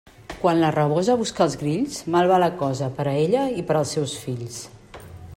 Quan la rabosa busca els grills, mal va la cosa per a ella i per als seus fills.